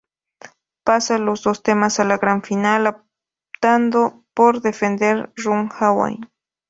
Pasa los dos temas a la gran final, optando por defender "Run Away".